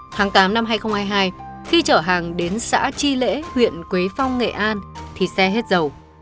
tháng tám năm hai nghìn hai mươi hai khi chở hàng đến xã chi lễ huyện quế phong nghệ an thì xe hết dầu